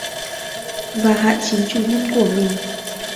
và hại chính chủ nhân của mình